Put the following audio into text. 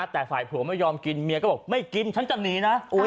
แต่ฝ่ายผัวไม่ยอมกินเมียก็บอกไม่กินฉันจะหนีนะ